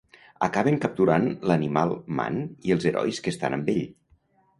Acaben capturant l'Animal Man i els herois que estan amb ell.